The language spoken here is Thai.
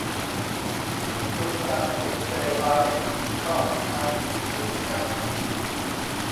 ดุจดังคนใจร้าย นอกนั้นดูงาม